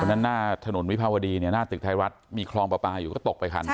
หน้าถนนวิภาวดีเนี่ยหน้าตึกไทยรัฐมีคลองปลาปลาอยู่ก็ตกไปคัน